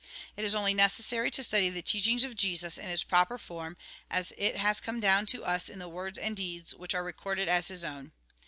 It is only necessary to study the teaching of Jesus in its proper form, as it has come down to us in the words and deeds which are recorded as his own.